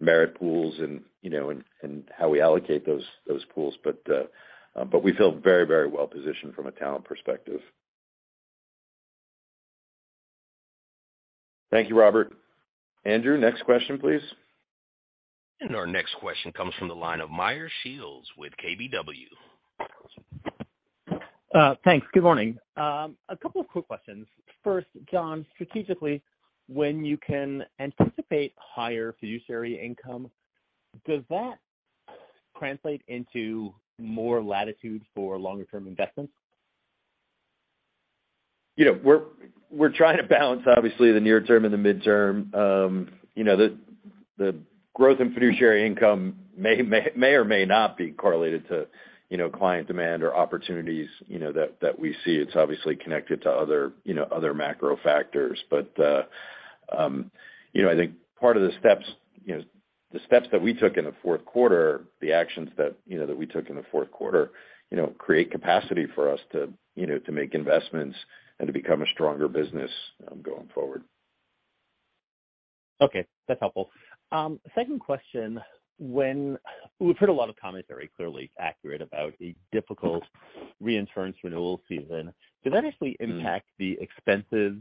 merit pools and, you know, and how we allocate those pools. We feel very, very well positioned from a talent perspective. Thank you, Robert. Andrew, next question, please. Our next question comes from the line of Meyer Shields with KBW. Thanks. Good morning. A couple of quick questions. First, John, strategically, when you can anticipate higher fiduciary income, does that translate into more latitude for longer term investments? You know, we're trying to balance obviously the near term and the midterm. You know, the growth in fiduciary income may or may not be correlated to, you know, client demand or opportunities, you know, that we see. It's obviously connected to other, you know, macro factors. You know, I think part of the steps that we took in the fourth quarter, the actions that we took in the fourth quarter, you know, create capacity for us to make investments and to become a stronger business, going forward. Okay, that's helpful. Second question. We've heard a lot of commentary clearly accurate about a difficult reinsurance renewal season. Does that actually impact the expenses,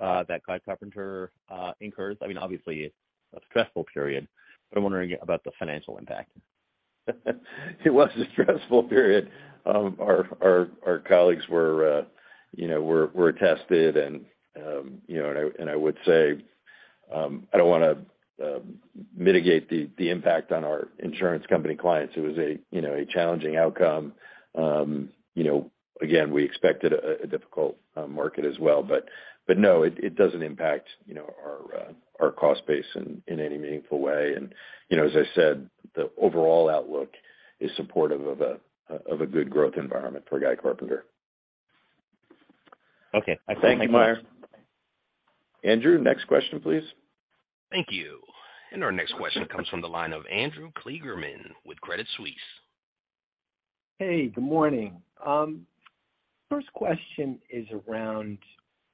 that Guy Carpenter, incurs? I mean, obviously it's a stressful period, but I'm wondering about the financial impact. It was a stressful period. Our colleagues were, you know, were tested and, you know, and I would say, I don't wanna mitigate the impact on our insurance company clients. It was a, you know, a challenging outcome. You know, again, we expected a difficult market as well. No, it doesn't impact, you know, our cost base in any meaningful way. You know, as I said, the overall outlook is supportive of a good growth environment for Guy Carpenter. Okay. Thank you Meyer. Andrew, next question, please. Thank you. Our next question comes from the line of Andrew Kligerman with Credit Suisse. Hey, good morning. First question is around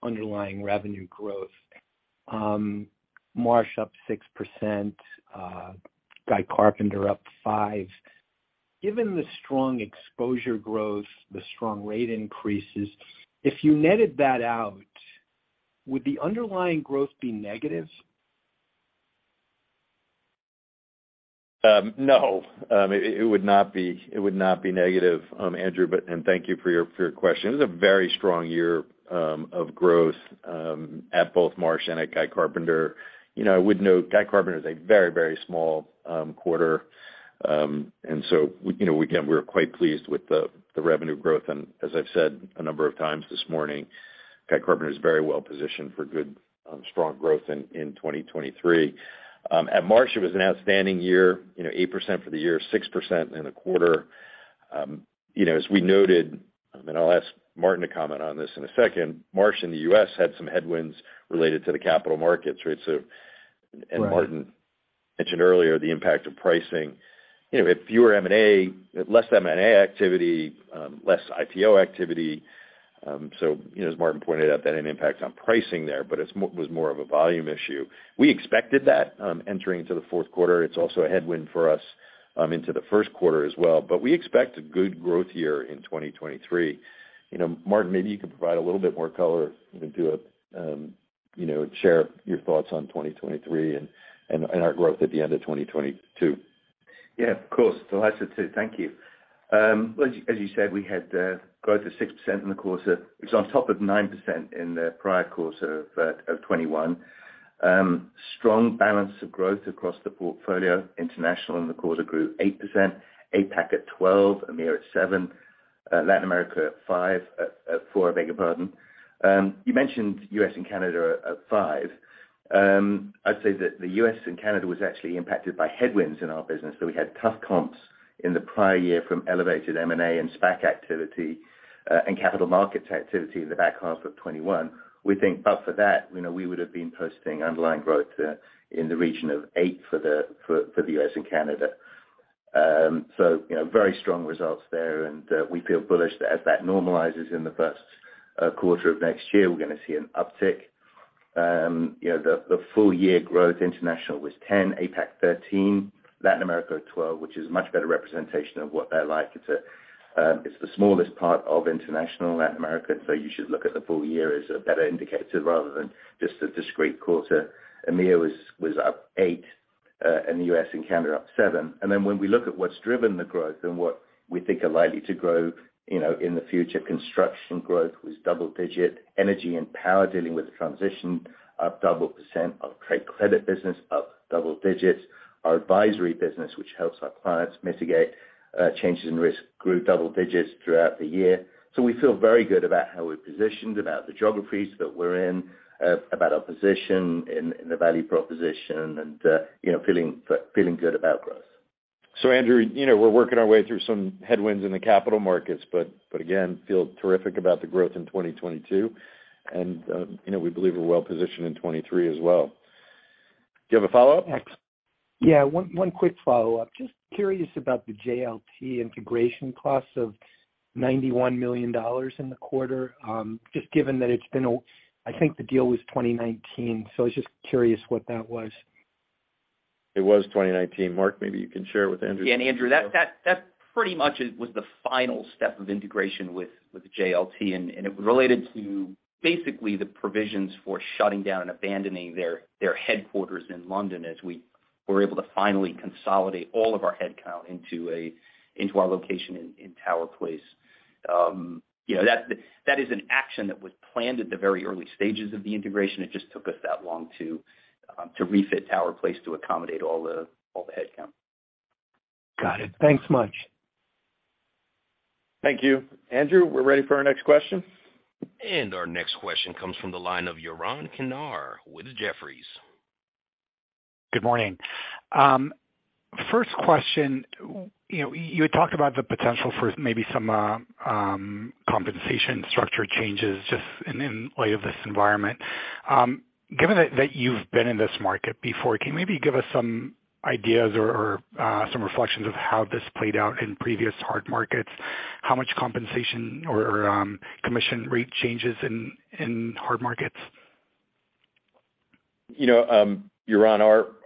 underlying revenue growth. Marsh up 6%, Guy Carpenter up 5%. Given the strong exposure growth, the strong rate increases, if you netted that out, would the underlying growth be negative? No. It would not be negative, Andrew. Thank you for your question. It was a very strong year of growth at both Marsh and at Guy Carpenter. You know, I would note Guy Carpenter is a very small quarter. We, you know, again, we're quite pleased with the revenue growth. As I've said a number of times this morning, Guy Carpenter is very well positioned for good, strong growth in 2023. At Marsh, it was an outstanding year, you know, 8% for the year, 6% in the quarter. You know, as we noted, I'll ask Martin to comment on this in a second, Marsh in the U.S. had some headwinds related to the capital markets, right? Right. Martin mentioned earlier the impact of pricing. You know, we had fewer M&A, less M&A activity, less IPO activity. You know, as Martin pointed out, that had an impact on pricing there, but it's was more of a volume issue. We expected that, entering into the fourth quarter. It's also a headwind for us, into the first quarter as well. We expect a good growth year in 2023. You know, Martin, maybe you could provide a little bit more color into, you know, share your thoughts on 2023 and our growth at the end of 2022. Yeah, of course. Delighted to. Thank you. Well, as you said, we had growth of 6% in the quarter. It was on top of 9% in the prior quarter of 2021. Strong balance of growth across the portfolio. International in the quarter grew 8%, APAC at 12%, EMEA at 7%, Latin America at 5%, at 4%, I beg your pardon. You mentioned US and Canada at 5%. I'd say that the US and Canada was actually impacted by headwinds in our business, so we had tough comps in the prior year from elevated M&A and SPAC activity, and capital markets activity in the back half of 2021. We think for that, you know, we would've been posting underlying growth in the region of 8% for the US and Canada. You know, very strong results there, and we feel bullish that as that normalizes in the 1st quarter of next year, we're gonna see an uptick. You know, the full year growth international was 10%, APAC 13%, Latin America 12%, which is a much better representation of what they're like. It's the smallest part of international, Latin America, you should look at the full year as a better indicator rather than just the discrete quarter. EMEA was up 8%, the US and Canada up 7%. When we look at what's driven the growth and what we think are likely to grow, you know, in the future, construction growth was double digit, energy and power dealing with the transition up double percent. Our trade credit business up double digits. Our advisory business, which helps our clients mitigate changes in risk, grew double digits throughout the year. We feel very good about how we're positioned, about the geographies that we're in, about our position in the value proposition and, you know, feeling good about growth. Andrew, you know, we're working our way through some headwinds in the capital markets, but again, feel terrific about the growth in 2022. You know, we believe we're well positioned in 2023 as well. Do you have a follow-up? Yeah. One quick follow-up. Just curious about the JLT integration costs of $91 million in the quarter. Just given that I think the deal was 2019. I was just curious what that was. It was 2019. Mark, maybe you can share with Andrew as well. Yeah. Andrew, that pretty much was the final step of integration with JLT, and it related to basically the provisions for shutting down and abandoning their headquarters in London as we were able to finally consolidate all of our headcount into a, into our location in Tower Place. You know, that is an action that was planned at the very early stages of the integration. It just took us that long to refit Tower Place to accommodate all the headcount. Got it. Thanks much. Thank you. Andrew, we're ready for our next question. Our next question comes from the line of Yaron Kinar with Jefferies. Good morning. First question, you know, you had talked about the potential for maybe some compensation structure changes just in light of this environment. Given that you've been in this market before, can you maybe give us some ideas or some reflections of how this played out in previous hard markets? How much compensation or commission rate changes in hard markets? You know, Yaron,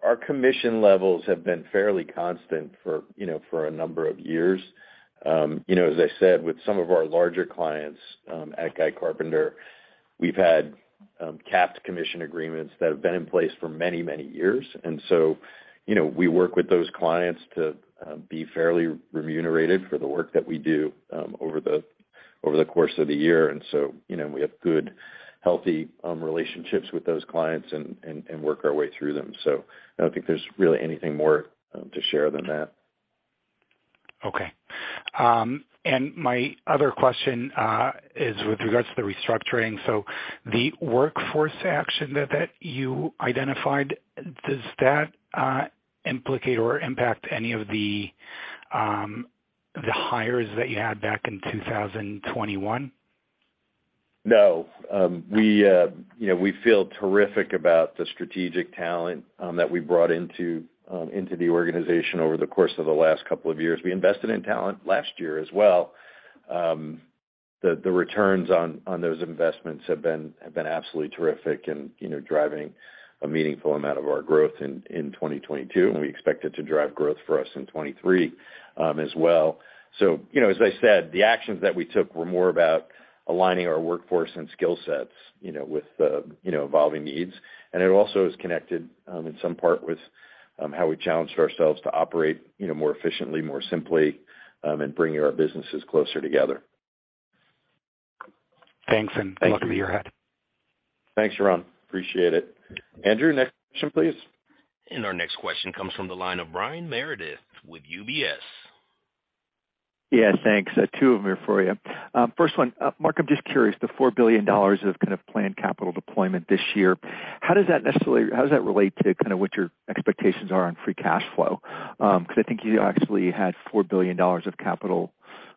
our commission levels have been fairly constant for, you know, for a number of years. You know, as I said, with some of our larger clients, at Guy Carpenter, we've had capped commission agreements that have been in place for many, many years. You know, we work with those clients to be fairly remunerated for the work that we do over the course of the year. You know, we have good, healthy relationships with those clients and work our way through them. I don't think there's really anything more to share than that. Okay. My other question is with regards to the restructuring. The workforce action that you identified, does that implicate or impact any of the hires that you had back in 2021? No. We, you know, we feel terrific about the strategic talent that we brought into the organization over the course of the last couple of years. We invested in talent last year as well. The returns on those investments have been absolutely terrific and, you know, driving a meaningful amount of our growth in 2022, and we expect it to drive growth for us in 2023 as well. You know, as I said, the actions that we took were more about aligning our workforce and skill sets, you know, with evolving needs. It also is connected in some part with how we challenged ourselves to operate, you know, more efficiently, more simply, and bringing our businesses closer together. Thanks, welcome to your hat. Thanks, Yaron. Appreciate it. Andrew, next question, please. Our next question comes from the line of Brian Meredith with UBS. Yeah, thanks. Two of them are for you. Mark, I'm just curious, the $4 billion of kind of planned capital deployment this year, how does that relate to kind of what your expectations are on free cash flow? 'Cause I think you actually had $4 billion of capital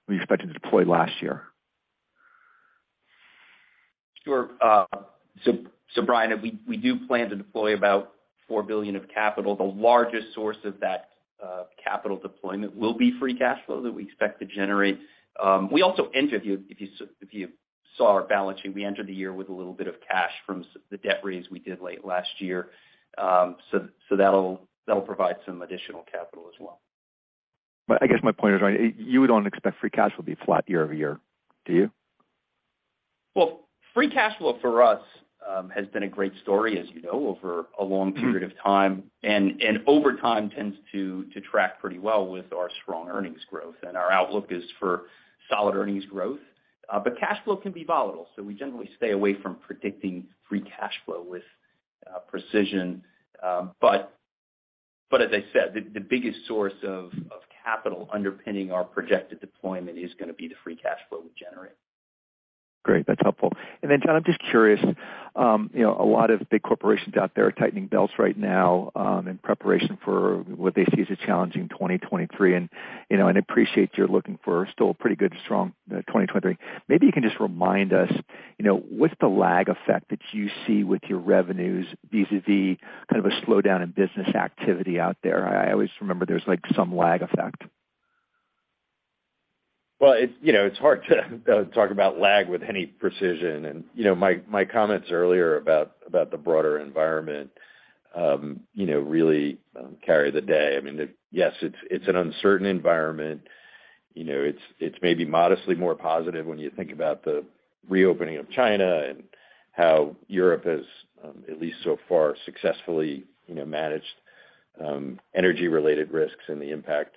you expected to deploy last year. Sure. Brian, we do plan to deploy about $4 billion of capital. The largest source of that capital deployment will be free cash flow that we expect to generate. We also entered, if you saw our balance sheet, we entered the year with a little bit of cash from the debt raise we did late last year. That'll provide some additional capital as well. I guess my point is, right, you don't expect free cash flow to be flat year over year, do you? Well, free cash flow for us, has been a great story, as you know, over a long period of time, and over time tends to track pretty well with our strong earnings growth. Our outlook is for solid earnings growth. Cash flow can be volatile, so we generally stay away from predicting free cash flow with precision. As I said, the biggest source of capital underpinning our projected deployment is gonna be the free cash flow we generate. Great. That's helpful. John, I'm just curious, you know, a lot of big corporations out there are tightening belts right now, in preparation for what they see as a challenging 2023. I appreciate you're looking for still a pretty good, strong, 2023. Maybe you can just remind us, you know, what's the lag effect that you see with your revenues vis-a-vis kind of a slowdown in business activity out there? I always remember there's, like, some lag effect. Well, it's, you know, it's hard to talk about lag with any precision. You know, my comments earlier about the broader environment, you know, really carry the day. I mean, yes, it's an uncertain environment. You know, it's maybe modestly more positive when you think about the reopening of China and how Europe has at least so far, successfully, you know, managed energy-related risks and the impact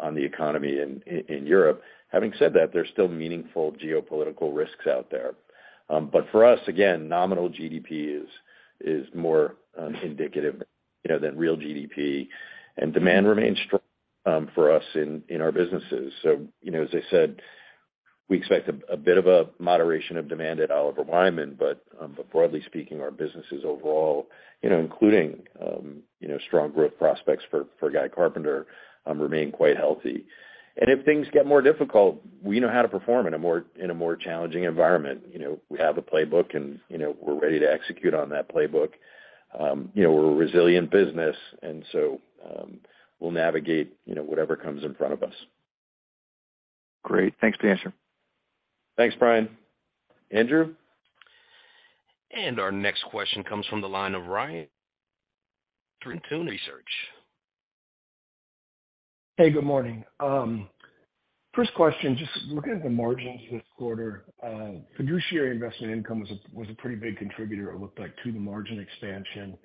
on the economy in Europe. Having said that, there's still meaningful geopolitical risks out there. For us, again, nominal GDP is more indicative, you know, than real GDP. Demand remains strong for us in our businesses. You know, as I said, we expect a bit of a moderation of demand at Oliver Wyman, but broadly speaking, our businesses overall, you know, including, you know, strong growth prospects for Guy Carpenter, remain quite healthy. If things get more difficult, we know how to perform in a more challenging environment. You know, we have a playbook, and, you know, we're ready to execute on that playbook. You know, we're a resilient business and so, we'll navigate, you know, whatever comes in front of us. Great. Thanks for the answer. Thanks Brian. Andrew? Our next question comes from the line of Ryan Tunis, Autonomous Research. Hey, good morning. First question, just looking at the margins this quarter, fiduciary investment income was a pretty big contributor, it looked like, to the margin expansion.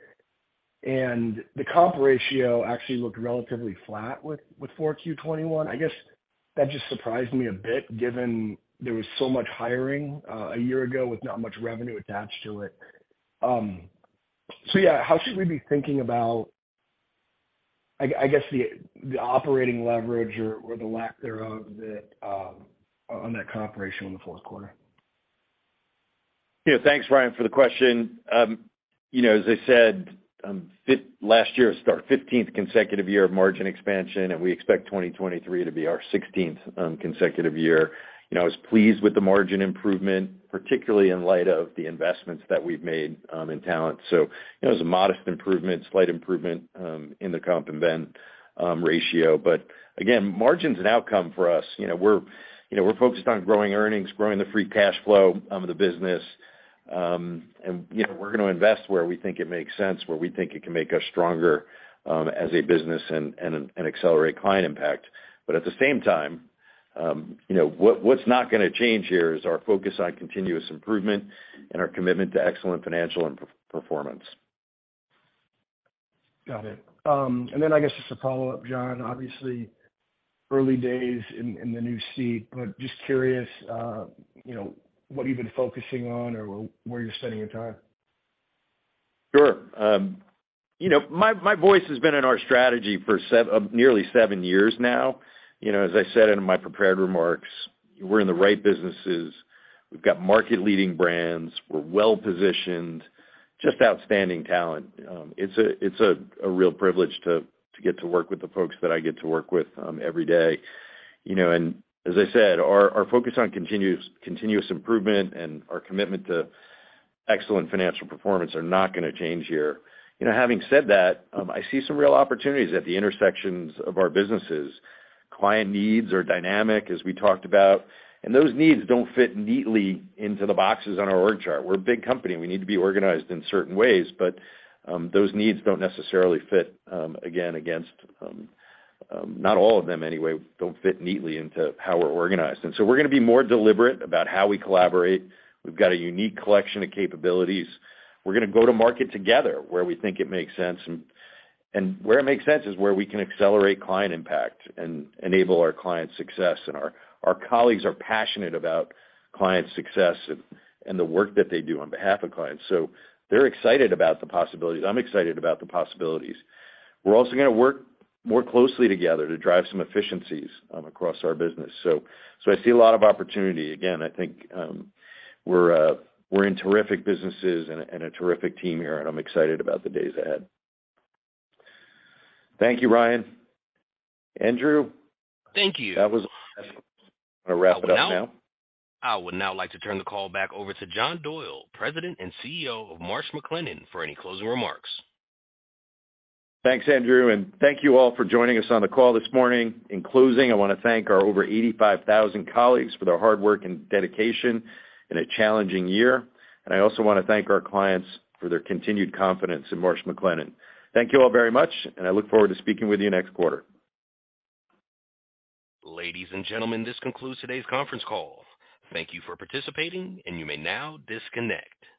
The comp ratio actually looked relatively flat with 4Q 2021. I guess that just surprised me a bit given there was so much hiring a year ago with not much revenue attached to it. Yeah, how should we be thinking about I guess, the operating leverage or the lack thereof that on that cooperation in the fourth quarter? Yeah. Thanks Ryan for the question. You know, as I said, last year, our 15th consecutive year of margin expansion, and we expect 2023 to be our 16th consecutive year. You know, I was pleased with the margin improvement, particularly in light of the investments that we've made in talent. You know, it was a modest improvement, slight improvement in the comp and then ratio. Again, margin's an outcome for us. You know, we're, you know, we're focused on growing earnings, growing the free cash flow of the business. You know, we're gonna invest where we think it makes sense, where we think it can make us stronger as a business and accelerate client impact. At the same time, you know, what's not gonna change here is our focus on continuous improvement and our commitment to excellent financial and performance. Got it. I guess just a follow-up, John. Obviously early days in the new seat, but just curious, you know, what you've been focusing on or where you're spending your time? Sure. You know, my voice has been in our strategy for nearly seven years now. You know, as I said in my prepared remarks, we're in the right businesses. We've got market leading brands. We're well-positioned. Just outstanding talent. It's a real privilege to get to work with the folks that I get to work with every day. You know, as I said, our focus on continuous improvement and our commitment to excellent financial performance are not gonna change here. You know, having said that, I see some real opportunities at the intersections of our businesses. Client needs are dynamic, as we talked about, and those needs don't fit neatly into the boxes on our org chart. We're a big company, and we need to be organized in certain ways, but, those needs don't necessarily fit, again, against, not all of them anyway, don't fit neatly into how we're organized. We're gonna be more deliberate about how we collaborate. We've got a unique collection of capabilities. We're gonna go to market together where we think it makes sense, and where it makes sense is where we can accelerate client impact and enable our clients' success. Our colleagues are passionate about clients' success and the work that they do on behalf of clients. They're excited about the possibilities. I'm excited about the possibilities. We're also gonna work more closely together to drive some efficiencies, across our business. I see a lot of opportunity. I think, we're in terrific businesses and a terrific team here, and I'm excited about the days ahead. Thank you, Ryan. Andrew? Thank you. That was. Wanna wrap it up now. I would now like to turn the call back over to John Doyle, President and CEO of Marsh McLennan, for any closing remarks. Thanks Andrew. Thank you all for joining us on the call this morning. In closing, I wanna thank our over 85,000 colleagues for their hard work and dedication in a challenging year. I also wanna thank our clients for their continued confidence in Marsh McLennan. Thank you all very much, and I look forward to speaking with you next quarter. Ladies and gentlemen, this concludes today's conference call. Thank you for participating, and you may now disconnect.